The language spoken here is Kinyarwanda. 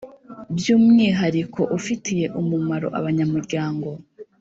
By umwihariko ufitiye umumaro abanyamuryango